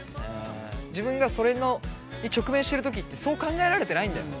自分がそれに直面してる時ってそう考えられてないんだよね。